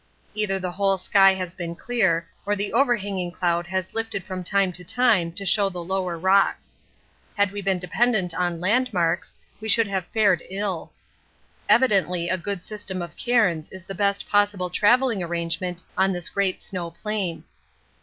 Either the whole sky has been clear, or the overhanging cloud has lifted from time to time to show the lower rocks. Had we been dependent on land marks we should have fared ill. Evidently a good system of cairns is the best possible travelling arrangement on this great snow plain.